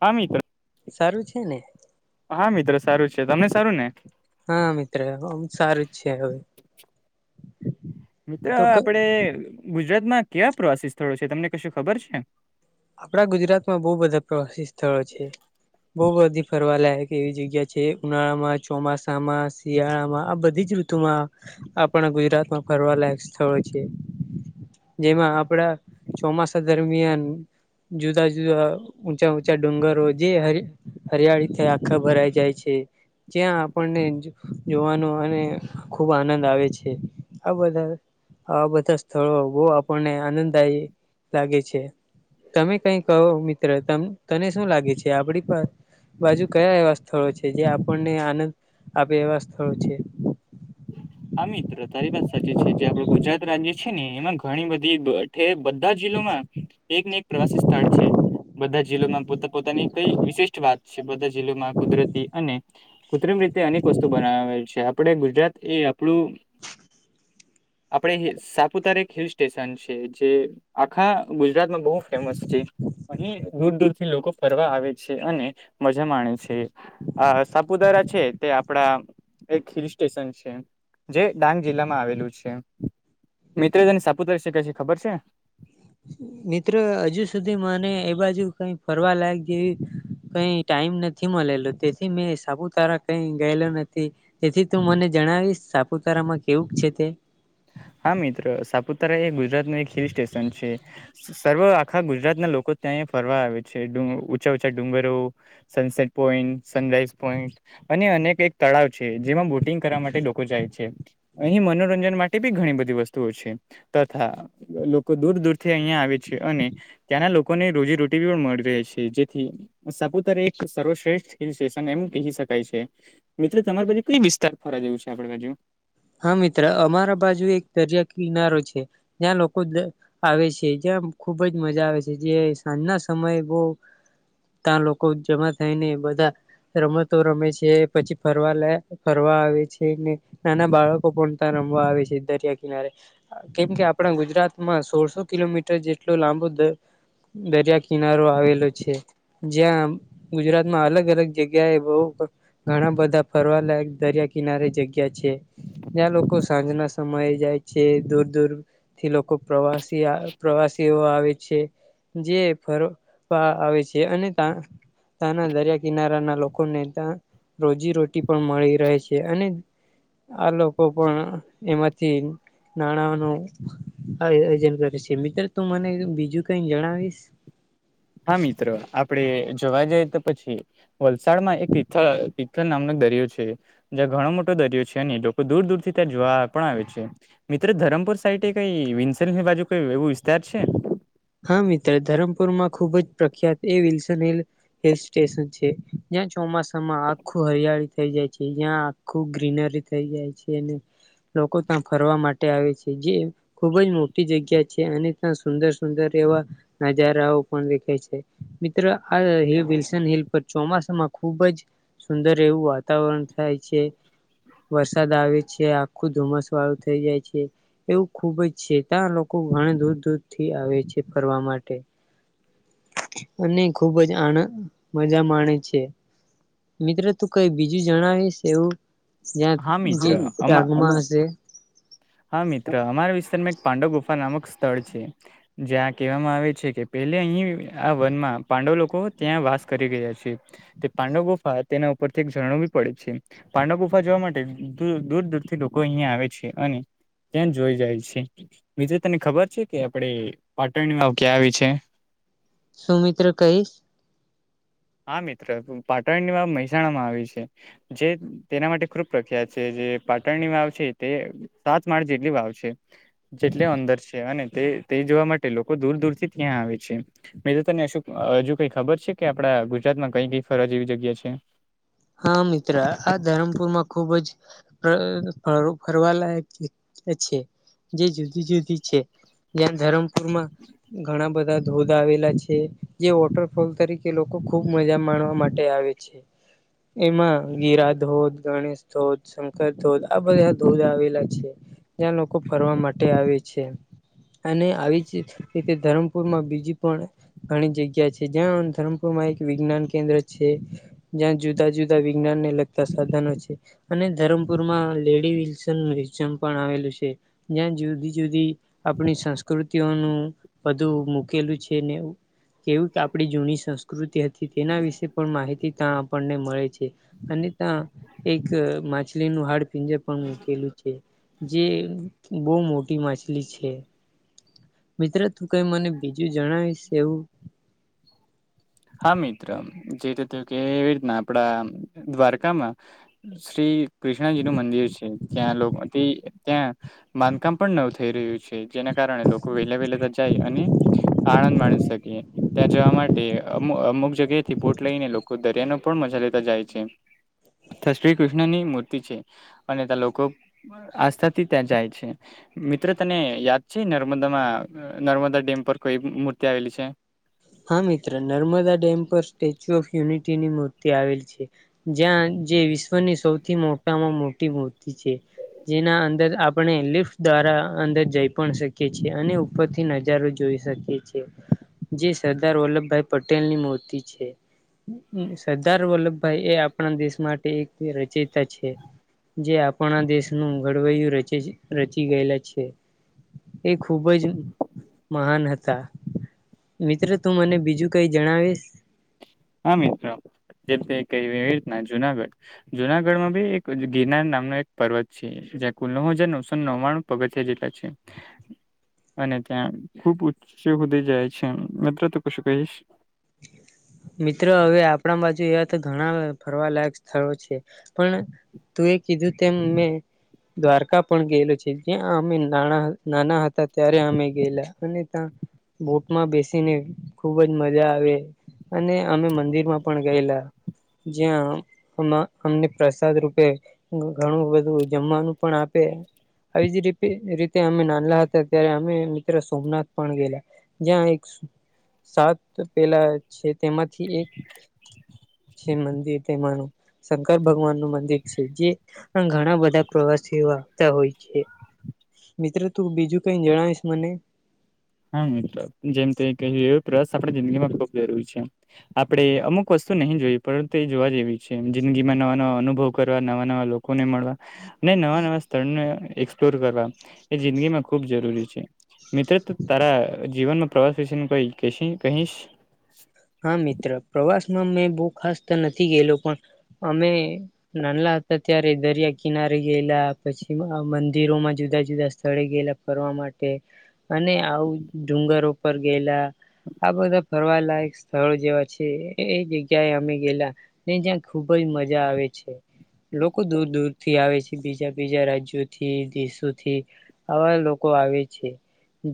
હમી [unintelligible] સારું છે ને. હા મિત્રો સારું છે તમને સારું ને. હા મિત્ર આમ સારું જ છે હવે. મિત્ર તો આપડે ગુજરાતમાં કેવા પ્રવાસી સ્થળો છે તમને કશું ખબર છે. આપણા ગુજરાતમાં બહુ બધા પ્રવાસી સ્થળો છે. બહ બધી ફરવા લાયક એવી જગ્યા છે ઉનાળામાં ચોમાસામાં શિયાળા માં આ બધી જ [unintelligible] માં આપણા ગુજરાતમાં ફરવા લયક સ્થળો છે. જેમાં આપડા ચોમાસા દરમિયાન જુદા જુદા ઊંચા ઊંચા ડુંગરો જે હરી હરિયાળીથી આખા ભરાઈ જાય છે. ત્યાં આપણને જોવાનો અને ખુબ આનંદ આવે છે. આ બધા આ બધા સ્થળો બો આપણને આનંદદાયી લાગે છે. તમે કઈ કહો મિત્ર તને શું લાગે છે આપડી પા બાજુ કયા એવા સ્થળો છે. જે આપણને આનંદ આપે એવા સ્થળો છે. [inaudible] હા મિત્ર તારી વાત સાચી છે જે આપડે ગુજરાત રાજ્ય છે ને એમાં ઘણી બધી [unintelligible] બધા જિલ્લોમાં એકને એક પ્રવાસી સ્થળ છે બધા જ જિલ્લોમાં પોતા પોતાની કઈ વિશિષ્ટ વાત છે બધા જિલ્લોમાં કુદરતી અને કૃત્રિમ રીતે અનેક વસ્તુ બનાવે છે આપડે ગુજરાત એ આપણું આપડે સાપુતારા એક હિલ સ્ટેશન છે જે આખા ગુજરાતમાં બહુ ફેમસ છે. અહી દૂર-દૂર થી લોકો ફરવા આવે છે અને મજા માણે છે. અ સાપુતારા છે તે આપડા એક હિલ સ્ટેશન છે. જે ડાંગ જિલ્લામાં આવેલું છે મિત્ર તેને સાપુતારા વિશે કશું ખબર છે. મિત્ર હજુ સુધી મને એ બાજુ કઈ ફરવા લાયક જેવી કઈ ટાઈમ નથી મળેલો તેથી મેં સાપુતારા કઈ ગયેલો નથી. તેથી તું મને જણાવીશ સાપુતારામાં કેવું છે તે. હા મિત્ર સાપુતારા એ ગુજરાતનું એક હિલ સ્ટેશન છે. સર્વ આખા ગુજરાત ના લોકો ત્યાં ફરવા આવે છે ઊંચા-ઊચા ડુંગરો, સનસેટ પોઈન્ટ, સનરાઈઝ પોઈન્ટ અને અનેક એક તળાવ છે જેમાં બોટિંગ કરવા માટે લોકો જાય છે અહી મનોરંજન માટે બી ઘણી બધી વસ્તુઓ છે તથા લોકો દૂર-દૂરથી અહિયાં આવે છે અને ત્યાંના લોકોને રોજી રોટી પણ મળી રહે છે જેથી સાપુતારા એક સર્વશ્રેષ્ઠ હિલ સ્ટેશન એમ કહી શકાય છે. મિત્ર તમારી બાજુ કઈ વિસ્તાર ફરવા જેવું છે આપડા બાજુ. હા મિત્ર અમારા બાજુ એક દરિયા કિનારો છે જ્યાં લોકો આવે છે જ્યાં ખુબ જ મજા આવે છે જે સાંજના સમયે બહ ત્યાં લોકો જમા થાય ને બધા રમતો રમે છે પછી ફરવા લ ફરવા આવે છે નાના બાળકો પણ ત્યાં રમવા આવે છે દરિયા કિનારે. કેમ કે આપણા ગુજરાતમાં સોળસો કિલોમીટર જેટલો લાંબો દર દરિયા કિનારો આવેલો છે. જ્યાં ગુજરાતમાં અલગ અલગ-જગ્યા એ બહ ઘણા બધા ફરવાલાાયક દરિયા કિનારે જગ્યા છે. જ્યાં લોકો સાંજના સમયે જાય છે. દૂર-દૂર થી લોકો પ્રવાસી પ્રવાસીઓ આવે છે. જે ફરવા આવે છે. અને તાં. ત્યાંના દરિયા કિનારાના લોકોને ત્યાં રોજીરોટી પણ મળી રહે છે. અને આ લોકો પણ એમાંથી નાણા ન આ આયોજન કરે છે. મિત્ર તું મને બીજું કઈ જણાવીશ? હા મિત્રો આપડે જોવા જઈ તો પછી વલસાડમાં એક તિથલ તિથલ નામનો દરિયો છે. જ્યાં ઘણો મોટો દરિયો છે ને લોકો દૂર-દૂર થી ત્યાં જોવા પણ આવે છે. મિત્રો ધરમપુર સાઈડ કઈ વિન્સેલની બાજુ કઈ એવું વિસ્તાર છે. હા મિત્ર ધરમપુર માં ખુબ જ પ્રખ્યાત એ વિલસન હિલ હિલ સ્ટેશન છે. જ્યાં ચોમાસામાં આખું હરિયાળી થઈ જાય છે. જ્યાં ખુબ ગ્રીનરી થઇ જાય છે. અને લોકો ત્યાં ફરવા માટે આવે છે. જે ખુબ જ મોટી જગ્યા છે. અને ત્યાં સુંદર-સુંદર સુંદર એવા નજારાઓ પણ દેખાય છે. મિત્ર આલ વિલ્સન હિલ પર ચોમાસામાં ખુબ જ સુંદર એવું વાતાવરણ થાય છે. વરસાદ આવે છે. આખુ ધુમ્મસ વાળું થઇ જાય છે. એવું ખુબ જ છે ત્યાં લોકો ઘણી દૂર-દૂરથી થી આવે છે ફરવા માટે. અને ખુબ જ આનંદ મજા માણે છે. મિત્રો તું કઈ બીજું જણાવીશ એવું જ્યાં હા મિત્ર જે આમાં જાણ માં હશે? હા મિત્ર અમારા વિસ્તારમાં એક પાંડવ ગુફા નામક સ્થળ છે. જ્યાં કહેવામાં આવે છે કે પહેલે અહીં આ વનમાં પાંડવ લોકો ત્યાં વાસ કરી ગયા છે. તે પાંડવ ગુફા તેના ઉપરથી એક ઝણાવુ બી પડે છે. પાંડવ ગુફા જોવા માટે દૂર દૂરથી લોકો અહિયાં આવે છે. અને ત્યાં જોઈ જાય છે. બીજું તને ખબર છે કે આપડે પાટણની વાવ ક્યાં આવી છે? સુું મિત્ર કઈશ? હા મિત્ર. પાટણની વાવ મહેસાણા માં આવી છે. જે તેના માટે ખૂબ પ્રખ્યાત છે. જે પાટણની વાવ છે તે સાત માળ જેટલી વાવ છે. જેટલે અંદર છે અને તે તે જોવા માટે લોકો દૂર દૂર થી ત્યાં આવે છે. મે તો તને હજુ કઈ ખબર છે કે આપડા ગુજરાતમાં કઈ કઈ ફરવા જેવી જગ્યા છે? હા મિત્ર. આ ધરમપુરમાં ખુબ જ ફરવા લયક છે. જે જુદી જુદી છે. જ્યાં ધરમપુરમાં ઘણા બધા ધોધ આવેલા છે. જે વોટરફોલ તરીકે લોકો ખુબ મજા માણવા માટે આવે છે. એમાં ગિરા ધોધ, ગણેશ ધોધ, શંકર ધોધ આ બધા ધોધ આવેલા છે. જ્યાં લોકો ફરવા માટે આવે છે. અને આવી જ રીતે ધરમપુર માં બીજી પણ ઘણી જગ્યા છે, જ્યાં ધરમપુરમાં એક વિજ્ઞાન કેન્દ્ર છે. જ્યાં જુ જુદા જુદા વિજ્ઞાન ને લગતા સાધનો છે. અને ધરમપુર માં લેડી વિલસન મ્યુઝિયમ પણ આવેલું છે. ત્યાં જુદી જુદી આપણી સંસ્કૃતિઓનું બધું મૂકેલું છે ને કેવી આપણી જૂની સંસ્કૃતિ હતી. તેના વિશે પણ માહિતી તા આપણને મળે છે. અને ત્યાં એક માછલીનું હાડપિંજર પણ મૂકેલું છે. જે બહુ મોટી માછલી છે. [inaudible] મિત્ર તું કઈ મને બીજું જણાવીશ એવું હા મિત્રો જે રીતે કે એવી રીતના આપડા દ્વારકામાં શ્રી કૃષ્ણજી નું મંદિર છે ત્યાં લોકો ની ત્યાં બાંધકામ પણ નવ થઈ રહ્યું છે જેના કારણે લોકો વહેલા વેલા તો જાય અને આનંદ માણી શકીએ ત્યાં જવા માટે અમુ અમુક જગ્યા થી બોટ લઈને લોકો દરિયા ના પણ મજા લેતા જાય છે. થા શ્રી કૃષ્ણની મૂર્તિ છે અને ત્યાં લોકો આસ્થા થી ત્યાં જાય છે. મિત્ર તને યાદ છે નર્મદામાં નર્મદા ડેમ પર કઈ મૂર્તિ આવેલી છે. હા મિત્ર નર્મદા ડેમ પર સ્ટેચ્યુ ઓફ યુનિટી ની મૂર્તિ આવે છે. જ્યાં જે વિશ્વની સૌથી મોટામાં મોટી મૂર્તિ છે. જેના અંદર આપણે લિફ્ટ દ્વારા અંદર જઈ પણ શકીએ છીએ અને ઉપરથી નજારો જોઈ શકી છે જેસ સરદાર વલ્લભભાઈ પટેલ ની મૂર્તિ છે. એ સરદાર વલ્લભભાઈ એ આપણા દેશ માટે એક રચેતા છે. જે આપણા દેશનું ઘડવયું રચે છે રચી ગયેલા છે. એ ખુબ જ મહાન હતા. મિત્ર તું મને બીજું કઈ જણાવીશ. હા મિત્રો જે કે વે ના જુનાગઢ જુનાગઢમાં ભી એક ગિરનાર નામનો એક પર્વત છે જ્યાં કુલ નવ હજાર નવસો નવાણું પગથિયા જેટલા છે. અને ત્યાં ખુબ ઊચે હુધી જાય છે મિત્ર તો કશું કહીશ. મિત્રો હવે આપણા બાજુ એવા તો ઘણા ફરવાલાયક સ્થળો છે પણ તું એ કીધું તેમ મેં દ્વારકા પણ ગયેલો છે જ્યાં અમે ના નાના હતા ત્યારે અમે ગયેલા અને ત્યાં બોટમાં બેસીને ખુબ જ મજા આવે અને અમે મંદિરમાં પણ ગયેલા જ્યાં અએમા અમને પ્રસાદ રૂપે ઘણું બધું જમવાનું પણ આપે આવી જ રીતે રીતે અમે નાનલ હતા ત્યારે અમે મિત્ર સોમનાથ પણ ગયલા જ્યાં એક સાત પેલા છે તેમાંથી એક છે મંદિર તેમાંનું શંકર ભગવાન નું મંદિર છે જે ઘણા બધા પ્રવાસીઓ આવતા હોય છે મિત્રો તું બીજું કઈ જણાવીશ મને હા મિત્રો જેમ ત કહ્યું એ પ્રસ આપણી જિંદગી માં ખુબ જરૂરી છે આપડે અમુક વસ્તુ નહીં જોય પરંતુ એ જોવા જેવી છે જિંદગી માં નવા નવા અનુભવ કરવા નવા નવા લોક લોકોને મળવા ને નવા નવા સ્થળને એક્સપ્લોર કરવા એ જિંદગીમાં ખૂબ જરૂરી છે મિત્ર તારે જીવનમાં પ્રવાસ વિશે નું કઈ કહીશ હા મિત્ર પ્રવાસ માં મેં બહુ ખાસ તો નથી ગયલો પણ અમે નાનલા હતા ત્યારે દરિયા કિનારે ગયલા પછી મંદિરોમાં જુદા જુદા સ્થળે ગયેલા ફરવા માટે અને આબુ ડુંગર ઉપર ગેલા આ બધા ફરવા લાયક સ્થળો જેવા છે એ જગ્યાએ અમે ગેલા ને જ્યાં ખુબજ મજા આવે છે લોકો દૂર દૂર થી આવે છે બીજા બીજા રાજ્યોથી દેશોથી અઆવા લોકો આવે છે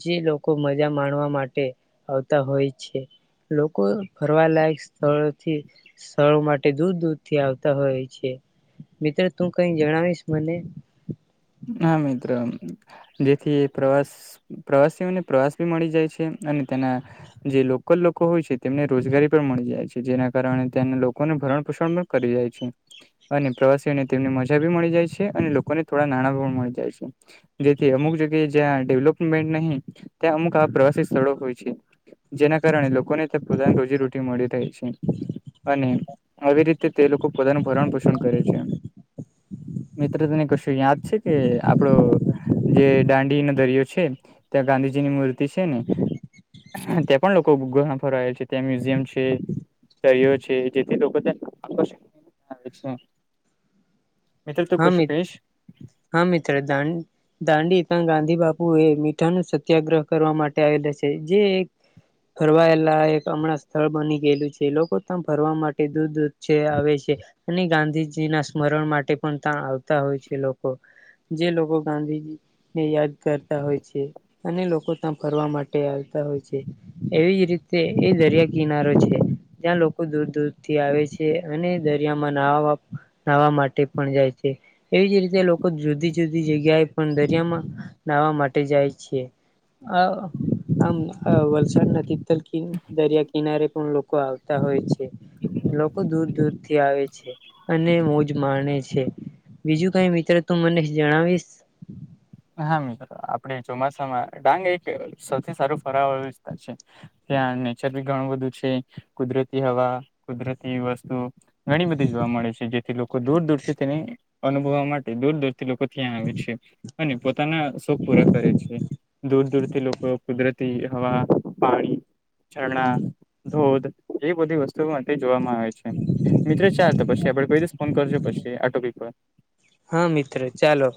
જે લોકો મજા માણવા માટે આવતા હોય છે લોકો ફરવાલાાયક સ્થળ થી સ્થળો માટે દૂર દૂર થી આવતા હોય છે મિત્ર તું કઈ જણાવીશ મને હા મિત્ર જેથી પ્રવાસ પ્રવાસીઓને પ્રવાસ ભી મળી જાય છે અને તેના જે લોકલ લોકો હોય છે તેમને રોજગારી પણ મળી જાય છે જેના કારણે ત્યાના લોકોને ભરણ પોષણ કરીય છે અને પ્રવાસીઓને તેમને મજા ભી મળી જાય છે અને લોકોને થોડા નાણા પણ મળી જાય છે જેથી અમુક જગ્યાએ જ્યાં ડેવલપમેન્ટ નહી ત્યાં અમુક આ પ્રવાસી સ્થળો હોય છે જેના કારણે લોકોને પોતાને રોજીરોટી મળી રહે છે અને આવી રીતે તે લોકો પોતાનું ભરણ પોષણ કરે છે મિત્ર તને કશું યાદ છે કે આપડો જે દાંડીનો દરિયો છે ત્યાં ગાંધીજીની મૂર્તિ છે ને ત્યાં પણ લોકો ફરયેલ છે ત્યાં મ્યુઝિયમ છે ક્યો છે જેથી લોકો [unintelligible] મિત્ર તું હા કશુ મિ કહીશ હા મિત્ર દાંડ દાંડી તો ગાંધી બાપુ એ મીઠા નું સત્યાગ્રહ કરવા માટે આવેલા છે જે ફરવાયેલા એક હમણાં સ્થળ બની ગયેલું છે લોકો ફરવા માટે દૂર દૂર થી આવે છે અને ગાંધીજી ના સ્મરણ માટે પણ ત્યાં આવતા હોય છે લોકો જે લોકો ગાંધીજી ને યાદ કરતા હોય છે અને લોકો ત્યાં ફરવા માટે આવતા હોય છે એવી જ રીતે એ દરિયા કિનારો છે ત્યાં લોકો દૂર દૂરથી આવે છે અને દરિયામાં નાહાવા નાહવા માટે પણ જાય છે એવી જ રીતે લોકો જુદી જુદી જગ્યાએ પણ દરિયામાં નાહવા માટે જાય છે હ આમ વલસાડના તિતતલ દરિયા કિનારે પણ લોકો આવે હોય છે લોકો દૂર દૂરથી આવે છે અને મોજ માણે છે છે બીજું કઈ મિત્ર તું મને જણાવીશ. હા મિત્રો આપડે ચોમાસામાં ડાંગ એક સૌથી સારું ફરવાળો વિસ્તાર છે. ત્યાં નેચર બી ઘણું બધું છે કુદરતી હવા કુદરતી વસ્તુ ઓ. ઘણી બધી જોવા મળે છે જેથી લોકો દૂર દૂર થી તેને અનુભવવા માટે દૂર દૂર તે લોકો ત્યાં આવે છે અને પોતાના શોખ પૂરા કરે છે. દૂર દૂરથી લોકો કુદરતી હવા પાણી ચરણા ધોધ એ બધી વસ્તુ તો માટે તે જોવામાં આવે છે મિત્રો ચાલ તો પછી આપડે કોઈ દીસ ફોન કરજો પછી આ ટોપીક પર. હા મિત્રો ચાલો.